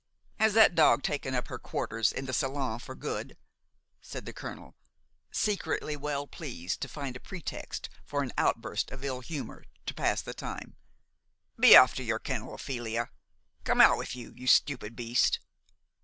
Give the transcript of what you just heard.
"Has that dog taken up her quarters in the salon for good?" said the colonel, secretly well pleased to find a pretext for an outburst of ill humor, to pass the time. "Be off to your kennel, Ophelia! Come, out with you, you stupid beast!"